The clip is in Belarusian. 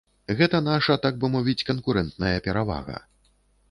Гэта наша, так бы мовіць, канкурэнтная перавага.